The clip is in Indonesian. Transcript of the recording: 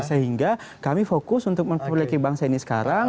sehingga kami fokus untuk memperbaiki bangsa ini sekarang